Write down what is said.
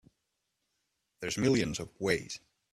There's millions of ways.